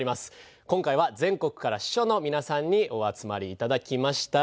今回は全国から司書のみなさんにお集まり頂きました。